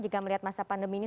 jika melihat masa pandemi ini